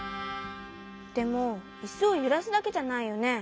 でもイスをゆらすだけじゃないよね？